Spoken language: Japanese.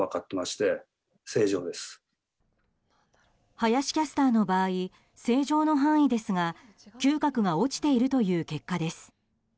林キャスターの場合正常の範囲ですが嗅覚が落ちているという結果です。